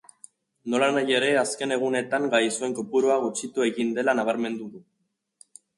Nolanahi ere, azken egunetan gaixoen kopurua gutxitu egin dela nabarmendu du.